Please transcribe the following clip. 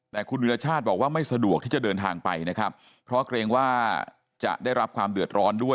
แต่คุณวิรชาติบอกว่าไม่สะดวกที่จะเดินทางไปนะครับเพราะเกรงว่าจะได้รับความเดือดร้อนด้วย